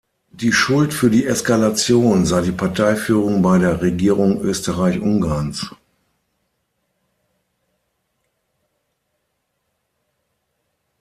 Die Schuld für die Eskalation sah die Parteiführung bei der Regierung Österreich-Ungarns.